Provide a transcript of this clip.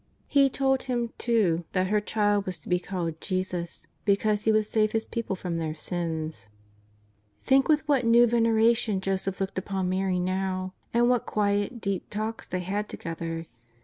He told him, too, that her Child was to be called JESUS, because He would save His people from their sins. Think with what new veneration Joseph looked upon Mary now, and what quiet, deep talks they had together.